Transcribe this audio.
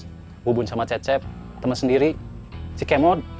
kasus bubun sama cecep teman sendiri si kemot